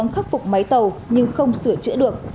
khắc phục máy tàu nhưng không sửa chữa được